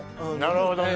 なるほどね。